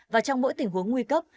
và trong mỗi tình huống nguy cấp